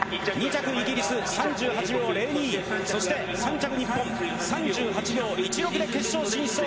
２着イギリス３８秒０２そして、３着、日本３８秒１６。